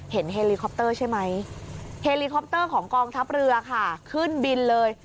เฮลีคอปเตอร์ใช่ไหมเฮลีคอปเตอร์ของกองทัพเรือค่ะขึ้นบินเลย